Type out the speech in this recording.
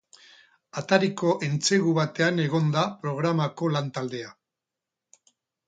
Atariko entsegu batean egon da programako lan-taldea.